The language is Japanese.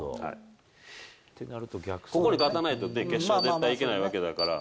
ここで勝たないと決勝に行けないわけだから。